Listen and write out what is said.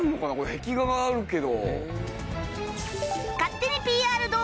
壁画があるけど。